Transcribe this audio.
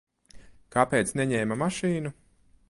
Kāpēc neņēma mašīnu?